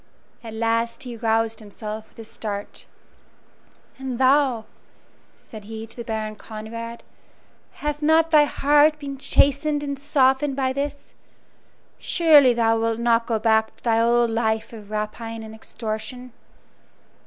At last he roused himself with a start. "And thou," said he to the Baron Conrad "hath not thy heart been chastened and softened by this? Surely thou wilt not go back to thy old life of rapine and extortion?"